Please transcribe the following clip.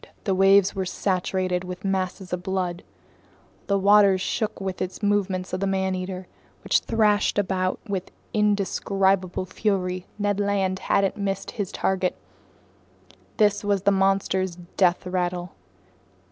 The waves were saturated with masses of blood. The waters shook with the movements of the man eater, which thrashed about with indescribable fury. Ned Land hadn't missed his target. This was the monster's death rattle.